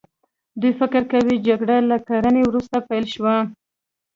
دوی فکر کوي جګړه له کرنې وروسته پیل شوه.